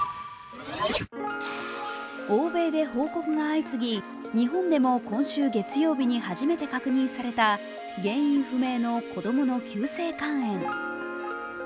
欧米で報告が相次ぎ、日本でも今週月曜日に初めて確認された原因不明の子供の急性肝炎。